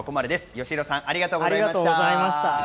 よしひろさん、ありがとうございました。